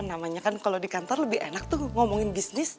namanya kan kalau di kantor lebih enak tuh ngomongin bisnis